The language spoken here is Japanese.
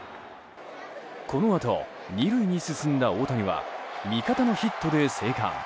このあと２塁に進んだ大谷は味方のヒットで生還。